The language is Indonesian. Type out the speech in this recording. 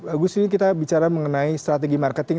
agus ini kita bicara mengenai strategi marketing